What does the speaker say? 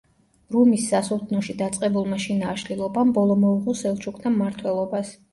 რუმის სასულთნოში დაწყებულმა შინა აშლილობამ ბოლო მოუღო სელჩუკთა მმართველობას.